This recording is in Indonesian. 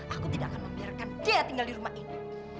aku tidak akan membiarkan dia tinggal di rumah ini